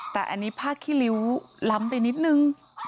แต่อันนี้พะคิริ้วล้ำไปนิดนึง